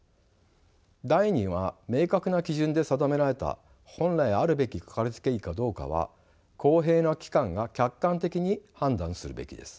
第２は明確な基準で定められた本来あるべきかかりつけ医かどうかは公平な機関が客観的に判断するべきです。